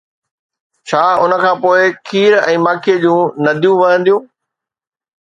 ڇا ان کانپوءِ کير ۽ ماکي جون نديون وهنديون؟